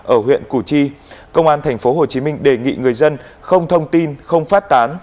ở huyện củ chi công an tp hcm đề nghị người dân không thông tin không phát tán